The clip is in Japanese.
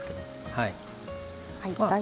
はい。